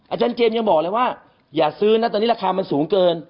อาจารย์เจมส์ยังบอกเลยว่าอย่าซื้อนะตอนนี้ราคามันสูงเกิน